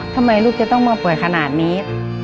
ทำไมลูกจะต้องมาป่วยขนาดนี้